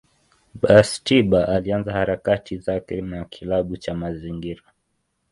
Bastida alianza harakati zake na kilabu cha mazingira.